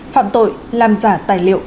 phạm tội làm giả tài liệu